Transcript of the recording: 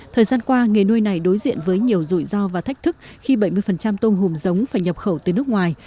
thời gian qua nghề nuôi này đối diện với nhiều rủi ro và thách thức khi bảy mươi tôm hùm giống phải nhập khẩu từ nước ngoài